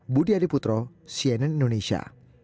budi adiputro cnn indonesia